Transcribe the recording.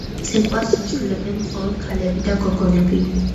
ცეკვას ასრულებენ მხოლოდ ქალები და გოგონები.